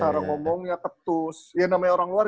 cara ngomongnya ketus ya namanya orang luar